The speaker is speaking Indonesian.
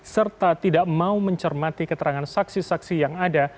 serta tidak mau mencermati keterangan saksi saksi yang ada